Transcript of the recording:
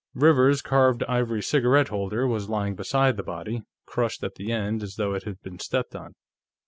Rivers's carved ivory cigarette holder was lying beside the body, crushed at the end as though it had been stepped on.